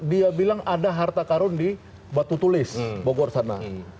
dia bilang ada harta karun di batu tulis bogor sana